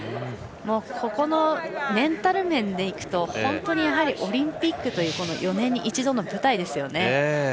ここのメンタル面でいくと本当にオリンピックという４年に一度の舞台ですよね。